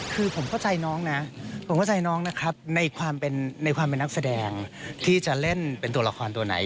คือผมเข้าใจน้องนะผมเข้าใจน้องนะครับในความเป็นนักแสดงที่จะเล่นเป็นตัวละครตัวไหน